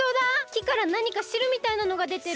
木からなにかしるみたいなのがでてる！